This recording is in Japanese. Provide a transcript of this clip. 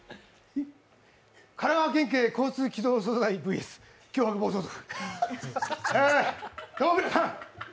神奈川県警交通機動隊ＶＳ凶悪暴走族。